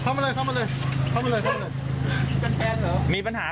อ่านไทยเสียงไปนานน้ำเฟ้ย